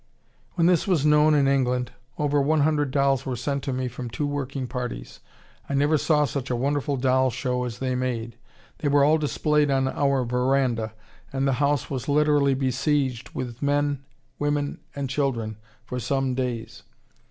When this was known in England, over one hundred dolls were sent to me from two working parties. I never saw such a wonderful doll show as they made. They were all displayed on our verandah, and the house was literally besieged with men, women, and children for some days.